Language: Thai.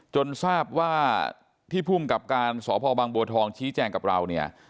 จนทราบว่าที่ภูมิกับการสพบางบัวทองชี้แจงกับเราเนี่ย